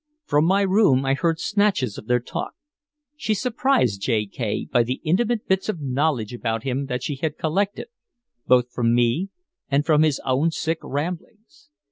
From my room I heard snatches of their talk. She surprised J. K. by the intimate bits of knowledge about him that she had collected both from me and from his own sick ramblings.